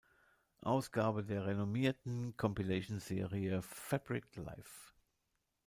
Ausgabe der renommierten Compilation-Serie Fabric Live.